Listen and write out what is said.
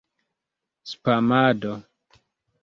spamado